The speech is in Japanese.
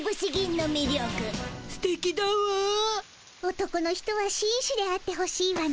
男の人はしんしであってほしいわね。